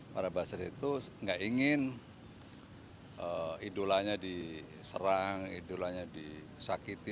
para buzzer itu nggak ingin idolanya diserang idolanya disakiti